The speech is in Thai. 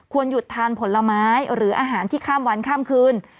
หยุดทานผลไม้หรืออาหารที่ข้ามวันข้ามคืน